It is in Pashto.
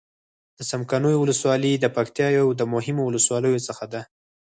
د څمکنيو ولسوالي د پکتيا يو د مهمو ولسواليو څخه ده.